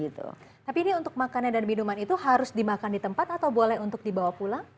tapi ini untuk makanan dan minuman itu harus dimakan di tempat atau boleh untuk dibawa pulang